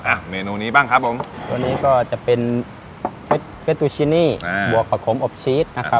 อ่ะเมนูนี้บ้างครับผมตัวนี้ก็จะเป็นเฟสตูชินีอ่าบวกผักขมอบชีสนะครับ